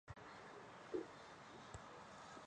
丰丘村是长野县下伊那郡北部的一村。